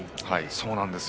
そうなんですよ